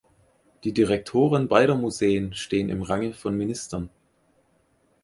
Die Direktoren beider Museen stehen im Range von Ministern.